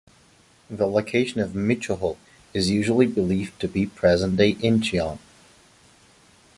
The location of Michuhol is usually believed to be present-day Incheon.